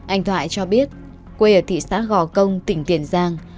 anh thoại cho biết quê ở thị xã gò công tỉnh tiền giang